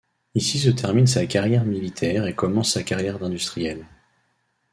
Ici se termine sa carrière militaire et commence sa carrière d'industriel.